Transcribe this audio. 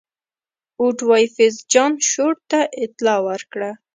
اوټوایفز جان شور ته اطلاع ورکړه.